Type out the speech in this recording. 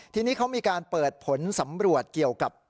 ทีนี้เขามีการเปิดผลสำรวจเกี่ยวกับ